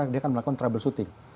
dia akan melakukan troubleshooting